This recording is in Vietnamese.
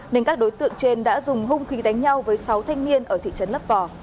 nên các đối tượng trên đã dùng hung khí đánh nhau với sáu thanh niên ở thị trấn lấp vò